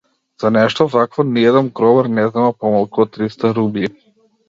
За нешто вакво ниеден гробар не зема помалку од триста рубљи.